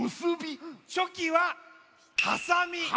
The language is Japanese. チョキははさみ。